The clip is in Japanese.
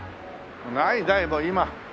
ないだいぶ今。